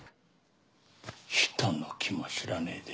人の気も知らねえで。